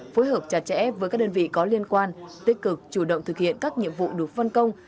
phối hợp chặt chẽ với các đơn vị có liên quan tích cực chủ động thực hiện các nhiệm vụ được phân công